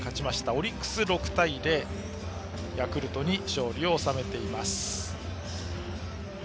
オリックス、６対０とヤクルトに勝利を収めています。